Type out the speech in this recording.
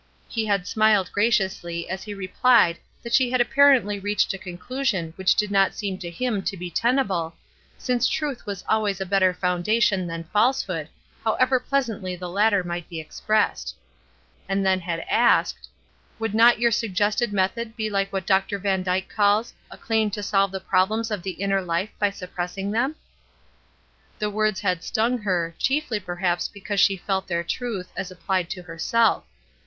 He had smiled graciously as he replied that she had apparently reached a conclusion which did not seem to him to be tenable, since truth was always a better foun dation than falsehood, however pleasantly the latter might be expressed. And then had asked : "Would not your suggested method be like what Dr. van Dyke calls 'A claim to solve the problems of the inner life by suppressing them'?" The words had stung her, chiefly perhaps be cause she felt their truth, as applied to herself.